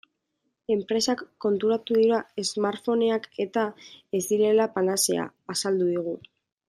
Enpresak konturatu dira smartphoneak-eta ez direla panazea, azaldu digu.